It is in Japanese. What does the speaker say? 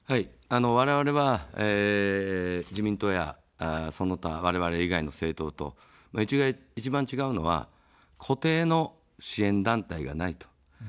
われわれは、自民党やその他われわれ以外の政党と一番違うのは固定の支援団体がないと。